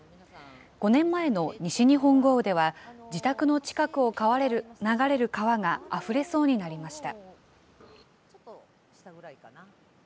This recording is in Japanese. ５年前の西日本豪雨では、自宅の近くを流れる川があふれそうになりました。